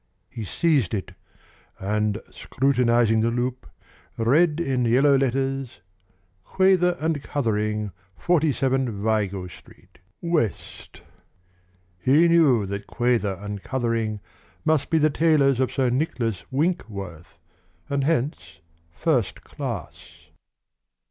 He seized it, and, scrutinizing the loop, read in yellow letters: Quayther and Cuthering, 47 Vigo Street, W. He knew that Quayther and Cuthering must be the tailors of Sir Nicholas Winkworth, and hence first class.